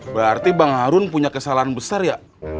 berarti bang harun punya kesalahan besar ya